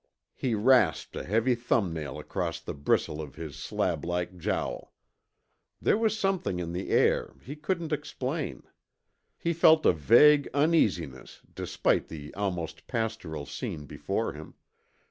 He rasped a heavy thumbnail across the bristle of his slablike jowl. There was something in the air he couldn't explain. He felt a vague uneasiness despite the almost pastoral scene before him.